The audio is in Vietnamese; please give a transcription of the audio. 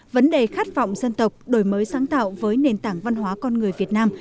vấn đề khát vọng dân tộc đổi mới sáng tạo với nền tảng văn hóa con người việt nam